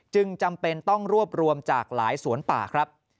จำเป็นต้องรวบรวมจากหลายสวนป่าครับ